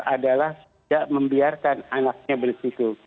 adalah tidak membiarkan anaknya berisiko